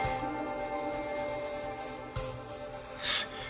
あっ。